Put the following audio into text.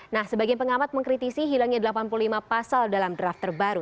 nah sebagian pengamat mengkritisi hilangnya delapan puluh lima pasal dalam draft terbaru